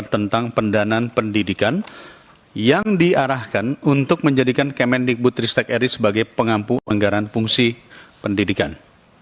tentang pendanaan pendidikan yang diarahkan untuk menjadikan kemendikbud ristek ri sebagai pengampu anggaran fungsi pendidikan